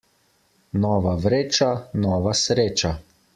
Nova vreča, nova sreča.